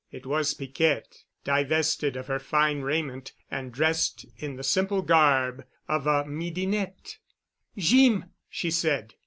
It was Piquette, divested of her fine raiment and dressed in the simple garb of a midinette. "Jeem——," she said.